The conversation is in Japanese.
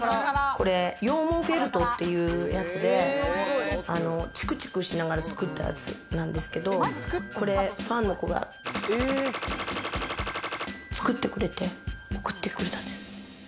羊毛フェルトっていうやつでチクチクしながら作ったやつなんですけれども、ファンの子が作ってくれて送ってくれたんです。